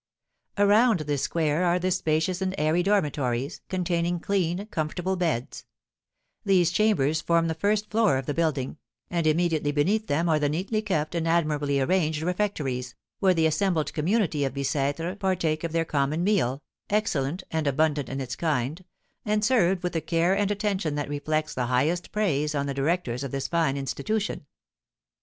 Around this square are the spacious and airy dormitories, containing clean, comfortable beds; these chambers form the first floor of the building, and immediately beneath them are the neatly kept and admirably arranged refectories, where the assembled community of Bicêtre partake of their common meal, excellent and abundant in its kind, and served with a care and attention that reflects the highest praise on the directors of this fine institution.